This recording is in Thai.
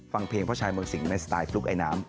ฟังเพลงพ่อชายเมืองสิงห์ในสไตลุ๊กไอน้ำ